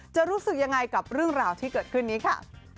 รู้สึกยังไงกับเรื่องราวที่เกิดขึ้นนี้ค่ะ